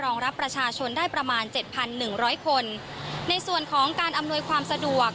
ในส่วนของการอำนวยความสะดวก